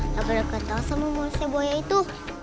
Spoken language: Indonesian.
gak peduli ketau sama mahasiswa saya itu